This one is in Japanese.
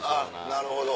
なるほど。